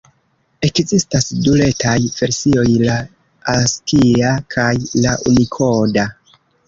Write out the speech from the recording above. Ekzistas du retaj versioj: la askia kaj la unikoda.